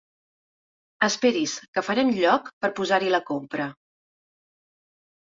Esperi's que farem lloc per posar-hi la compra.